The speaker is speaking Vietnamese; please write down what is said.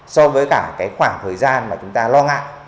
so với cả cái khoảng thời gian mà chúng ta lo ngại